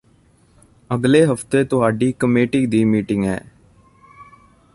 ਅਗਲੇ ਹਫ਼ਤੇ ਤੁਹਾਡੀ ਕਮੇਟੀ ਦੀ ਮੀਟਿੰਗ ਐ